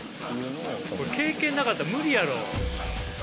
経験なかったら無理やろ。